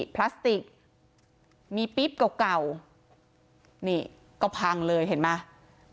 พลาสติกมีปิ๊บเก่านี่ก็พังเลยเห็นไหม